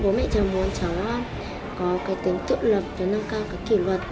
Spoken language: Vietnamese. bố mẹ cháu muốn cháu có cái tính tự lực cháu nâng cao cái kỷ luật